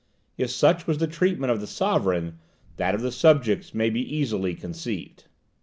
If such was the treatment of the sovereign, that of the subjects may be easily conceived.